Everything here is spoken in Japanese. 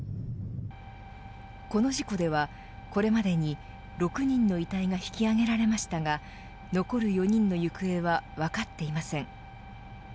この事故ではこれまでに６人の遺体が引き揚げられましたが残る４人の行方が分かっていません。